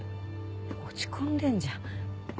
落ち込んでるじゃん。